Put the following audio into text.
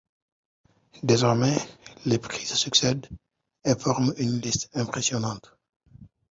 Désormais, les prix se succèdent et forment une liste impressionnante.